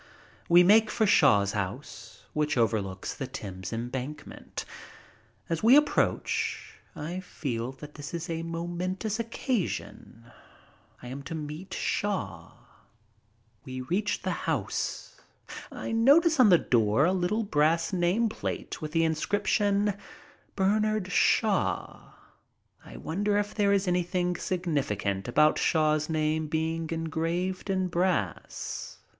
We make for Shaw's house, which overlooks the Thames Embankment. As we approach I feel that this is a momen tous occasion. I am to meet Shaw. We reach the house. I notice on the door a little brass name plate with the in scription, "Bernard Shaw." I wonder if there is anything significant about Shaw's name being engraved in brass.